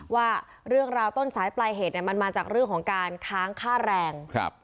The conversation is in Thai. ว่าเรื่องราวต้นสายปลายเหตุมันมาจากเรื่องของการค้างค่าแรง